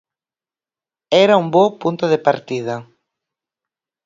Era un bo punto de partida.